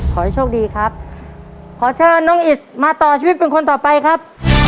ขอให้โชคดีครับขอเชิญน้องอิดมาต่อชีวิตเป็นคนต่อไปครับ